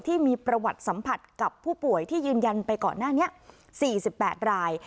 ที่มีประวัติสัมผัสกับผู้ป่วยที่ยืนยันไปก่อนหน้านี้๔๘ราย